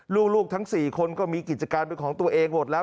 ลูกทั้ง๔คนก็มีกิจการเป็นของตัวเองหมดแล้ว